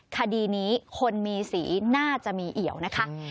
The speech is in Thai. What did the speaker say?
คดีนี้คนมีสีน่าจะมีเอี่ยวนะคะ